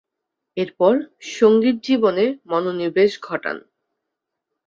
এরপর, সঙ্গীত জীবনে মনোনিবেশ ঘটান।